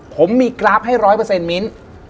ผมมีกราฟให้ร้อยเปอร์เซ็นต์มิ้น